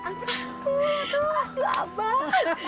ampun atuh tuh tuh abah